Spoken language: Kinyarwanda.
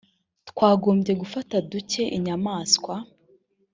twagombye gufata dute inyamaswa